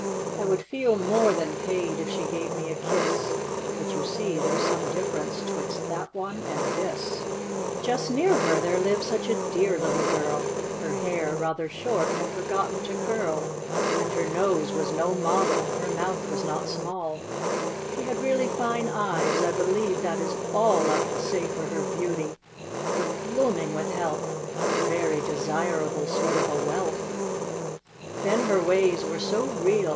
I would feel more than paid if she gave me a kiss But you see there's some difference 'twixt that one and this. 5 66 THE VERY VAIN CHILD. Just near her there lived such a dear little girl \© Her hair, rather short, had forgotten to curl, And her nose was no model ; her mouth was not small ; She had really fine eyes; I believe that is all I can say for her beauty, but blooming with health ! A very desirable sort of a wealth. Then her ways were so real